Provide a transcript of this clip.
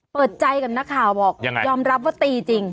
เปิดใจกับนักข่าวบอกยังไงยอมรับว่าตีจริง